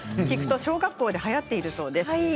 聞くと小学校ではやっているそうです。